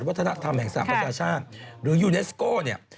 หรือวัฒนธรรมแห่งศาสตร์อเชียร์ชาติหรือยูเนสโก้นี่